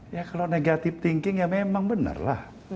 ya kalau negatif thinking ya memang bener lah